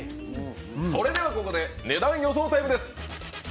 それではここで値段予想タイムです。